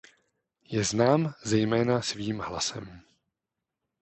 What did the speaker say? Je znám zejména svým hlasem.